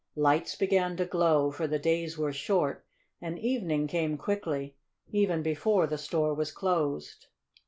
Lights began to glow, for the days were short and evening came quickly even before the store was closed.